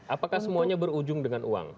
apakah semuanya berukuran